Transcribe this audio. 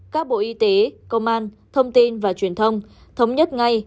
các bộ y tế công an thông tin và truyền thông thống nhất ngay